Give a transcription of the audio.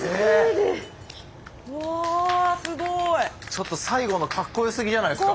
ちょっと最後のかっこよすぎじゃないですか。